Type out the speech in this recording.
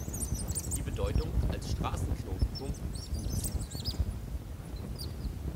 Die Bedeutung als Straßenknotenpunkt wuchs.